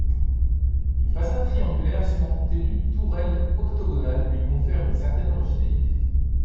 Une façade triangulaire surmontée d’une tourelle octogonale lui confère une certaine originalité.